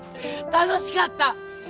楽しかった！